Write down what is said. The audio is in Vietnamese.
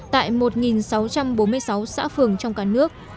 tại một sáu trăm bốn mươi sáu xã phường trong cả nước